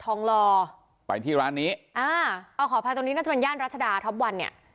คลองลอไปที่ร้านนี้อ่าเอาขออภัยตรงนี้น่าจะเป็นย่านรัชดาท็อปวันเนี่ย